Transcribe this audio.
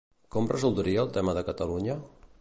Com resoldria el tema de Catalunya?